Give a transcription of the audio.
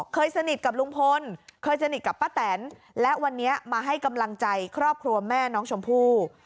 เคยสนิทกับลุงพลเคยสนิทกับป้าแตนและวันนี้มาให้กำลังใจครอบครัวแม่น้องชมพู่